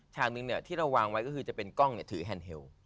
ฉากหนึ่งเนี่ยที่เราวางไว้ก็คือจะเป็นกล้องเนี่ยถือแฮนเทล